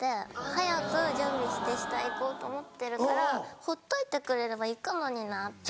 早く準備して下行こうと思ってるからほっといてくれれば行くのになって。